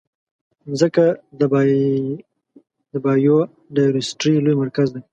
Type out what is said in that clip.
مځکه د بایوډایورسټي لوی مرکز دی.